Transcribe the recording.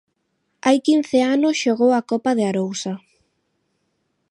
Hai quince anos xogou a Copa de Arousa.